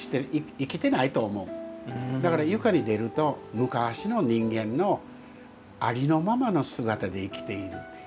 だから床に出ると昔の人間のありのままの姿で生きているという。